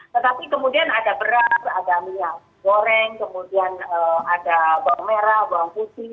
tetapi kemudian ada beras ada minyak goreng kemudian ada bawang merah bawang putih